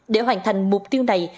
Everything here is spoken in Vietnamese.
để hoàn thành mục tiêu này